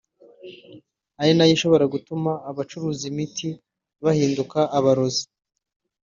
ari na yo ishobora gutuma abacuruza imiti bahinduka abarozi